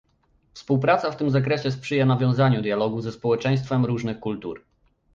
Współpraca w tym zakresie sprzyja nawiązaniu dialogu ze społeczeństwami różnych kultur